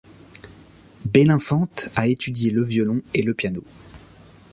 Belinfante a étudié le violon et le piano.